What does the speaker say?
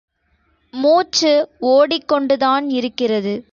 மூச்சு ஓடிக் கொண்டுதான் இருக்கிறது.